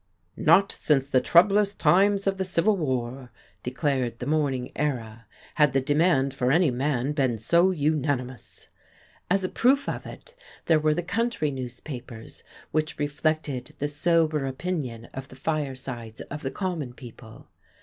"Not since the troublous times of the Civil War," declared the Morning Era, "had the demand for any man been so unanimous." As a proof of it, there were the country newspapers, "which reflected the sober opinion of the firesides of the common people."